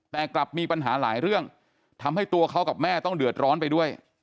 แต่กลับมีปัญหาหลายเรื่องทำให้ตัวเขากับแม่ต้องเดือดร้อนไปด้วย